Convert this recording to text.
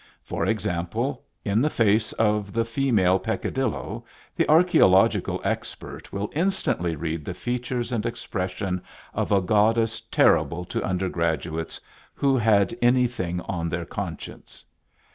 For example, in the face of the female peccadillo, the archaeological expert will instantly read the features and expression of a goddess terrible to undergraduates who had anything on their conscience.